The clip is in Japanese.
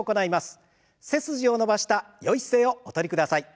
背筋を伸ばしたよい姿勢をお取りください。